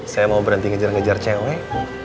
saya mau berhenti ngejar ngejar cewek